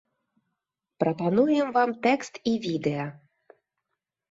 Прапануем вам тэкст і відэа.